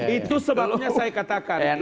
itu sebabnya saya katakan